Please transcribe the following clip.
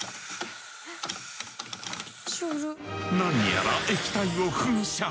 何やら液体を噴射。